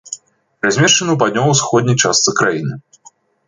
Размешчаны ў паўднёва-ўсходняй частцы краіны.